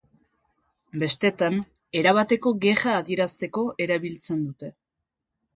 Bestetan, erabateko gerra adierazteko erabiltzen dute.